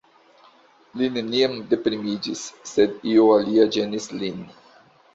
Li neniam deprimiĝis, sed io alia ĝenis lin.